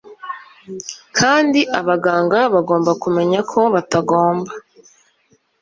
kandi abaganga bagomba kumenya ko batagomba